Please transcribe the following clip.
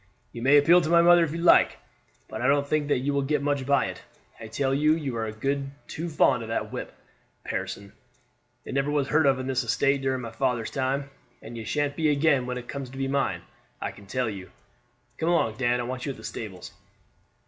"You may appeal to my mother if you like, but I don't think that you will get much by it. I tell you you are a deal too fond of that whip, Pearson. It never was heard of on the estate during my father's time, and it sha'n't be again when it comes to be mine, I can tell you. Come along, Dan; I want you at the stables."